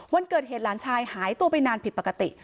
วันเกิดเหตุหลานชายหายตัวไปนานผิดปกติ